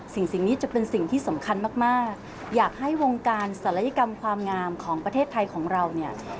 สิ่งนี้จะเป็นสิ่งที่สำคัญมากอยากให้วงการศัลยกรรมความงามของประเทศไทยของเราเนี่ย